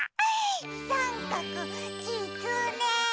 さんかくきつね！